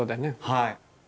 はい。